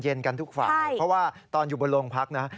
เย็นท์กันทุกฝ่าเพราะว่าตอนอยู่บนโรงพักนะครับ